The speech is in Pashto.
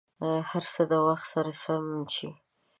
هر څه د وخت سره به سم شي.